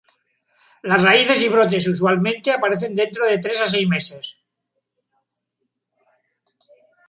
Las raíces y brotes usualmente aparecen dentro de tres a seis meses.